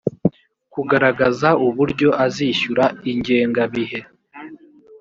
kugaragaza uburyo azishyura ingengabihe